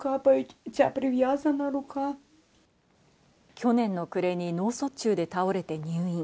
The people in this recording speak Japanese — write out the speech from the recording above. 去年の暮れに脳卒中で倒れて入院。